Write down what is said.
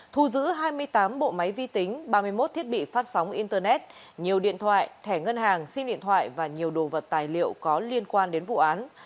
thu giữ hai mươi tám bộ máy vi tính ba mươi một thiết bị phát sóng internet nhiều điện thoại thẻ ngân hàng sim điện thoại và nhiều đồ vật tài liệu có liên quan đến vụ án